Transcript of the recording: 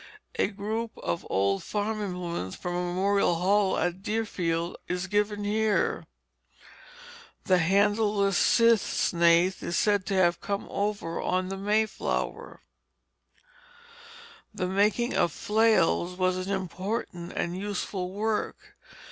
A group of old farm implements from Memorial Hall, at Deerfield, is here given. The handleless scythe snathe is said to have come over on the Mayflower. The making of flails was an important and useful work.